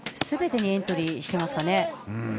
すべてにエントリーしてますかね。